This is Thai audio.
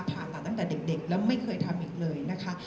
ผ่าตัดตั้งแต่เด็กแล้วไม่เคยทำอีกเลยนะคะ